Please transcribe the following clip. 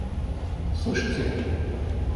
Слышите ли?